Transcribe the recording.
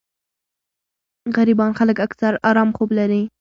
غريبان خلک اکثر ارام خوب لري